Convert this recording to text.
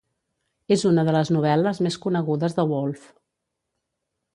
És una de les novel·les més conegudes de Woolf.